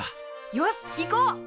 よし行こう！